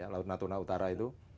laut natuna utara itu